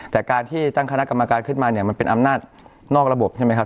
แต่การที่ตั้งคณะกรรมการขึ้นมาเนี่ยมันเป็นอำนาจนอกระบบใช่ไหมครับ